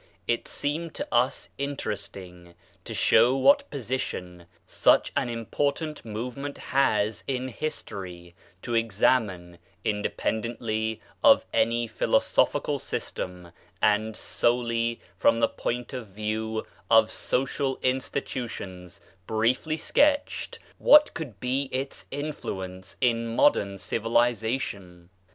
It seemed to us interesting to show what position such an important move PREFACE ii raent has in history, to examine, inde pendently of any philosophical system, and solely from the point of view of social institutions briefly sketched, what could be its influence in modern civilisa tion.